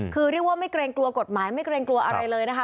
คือเรียกว่าไม่เกรงกลัวกฎหมายไม่เกรงกลัวอะไรเลยนะคะ